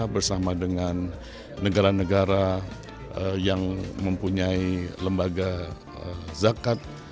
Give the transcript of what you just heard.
bersama dengan negara negara yang mempunyai lembaga zakat